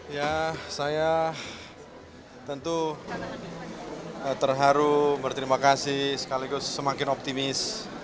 ya saya tentu terharu berterima kasih sekaligus semakin optimis